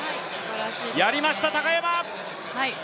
やりました、高山！